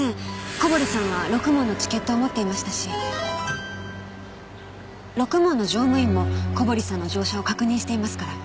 小堀さんはろくもんのチケットを持っていましたしろくもんの乗務員も小堀さんの乗車を確認していますから。